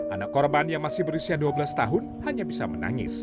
anak korban yang masih berusia dua belas tahun hanya bisa menangis